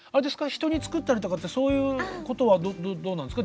人に作ったりとかってそういうことはどうなんですか？